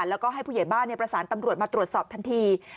แล้วก็ให้ผู้ใหญ่บ้านประสานตำรวจมาตรวจสอบทันที